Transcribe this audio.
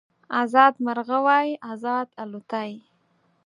ازاد مرغه وای ازاد الوتای